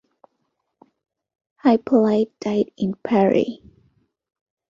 Hyppolite died in Paris.